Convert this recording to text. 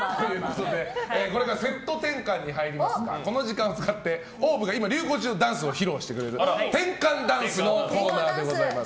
これからセット転換に入りますがこの時間を使ってＯＷＶが今、流行中のダンスを披露してくれる転換ダンスのコーナーでございます。